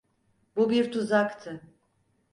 Bu bir tuzaktı.